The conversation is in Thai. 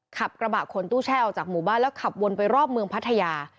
ขับกระบะขนตู้แช่ออกจากหมู่บ้านแล้วขับวนไปรอบเมืองพัทยา